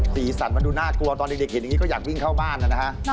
สีสันมันดูน่ากลัวตอนเด็กเห็นอย่างนี้ก็อยากวิ่งเข้าบ้านนะฮะ